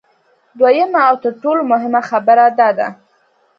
دویمه او تر ټولو مهمه خبره دا ده